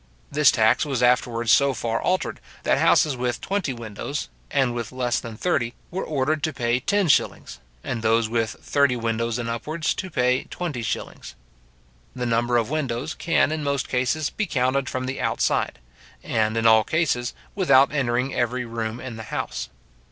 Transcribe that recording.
This tax was afterwards so far altered, that houses with twenty windows, and with less than thirty, were ordered to pay ten shillings, and those with thirty windows and upwards to pay twenty shillings. The number of windows can, in most cases, be counted from the outside, and, in all cases, without entering every room in the house.